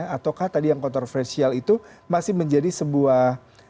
ataukah tadi yang kontroversial itu masih menjadi sebuah hal yang subtraktif